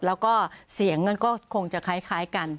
แล้วก็เสียงนั้นก็คงจะคล้ายกัน